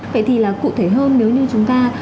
vậy thì là cụ thể hơn nếu như chúng ta